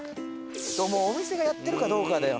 もうお店がやってるかどうかだよ。